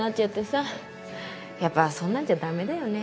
やっぱそんなんじゃ駄目だよね。